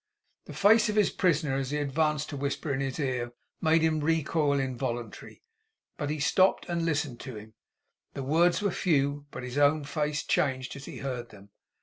The face of his prisoner as he advanced to whisper in his ear, made him recoil involuntarily. But he stopped and listened to him. The words were few, but his own face changed as he heard them.